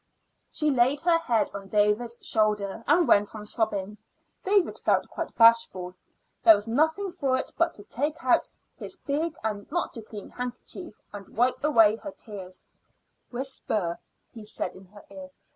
She laid her head on David's shoulder and went on sobbing. David felt quite bashful. There was nothing for it but to take out his big and not too clean handkerchief and wipe her tears away. "Whisper," he said in her ear.